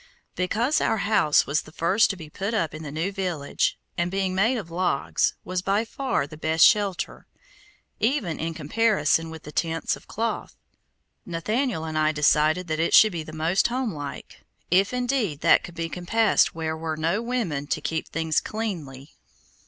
Because our house was the first to be put up in the new village, and, being made of logs, was by far the best shelter, even in comparison with the tents of cloth, Nathaniel and I decided that it should be the most homelike, if indeed that could be compassed where were no women to keep things cleanly.